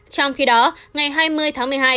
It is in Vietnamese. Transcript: trong khi đó ngày hai mươi tháng một mươi hai